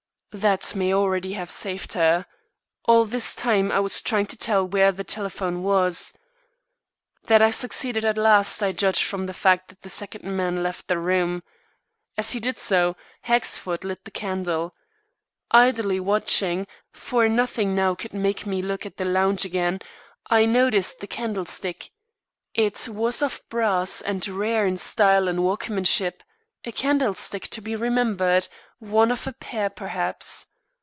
That may already have saved her. All this time I was trying to tell where the telephone was. That I succeeded at last I judged from the fact that the second man left the room. As he did so, Hexford lit the candle. Idly watching, for nothing now could make me look at the lounge again, I noticed the candlestick. It was of brass and rare in style and workmanship a candlestick to be remembered; one of a pair perhaps.